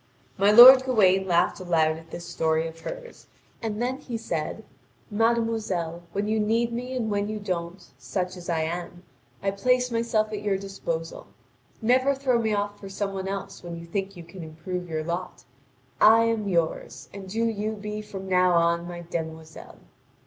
My lord Gawain laughed aloud at this story of hers, and then he said: "Mademoiselle, when you need me and when you don't, such as I am, I place myself at your disposal. Never throw me off for some one else when you think you can improve your lot. I am yours, and do you be from now on my demoiselle!"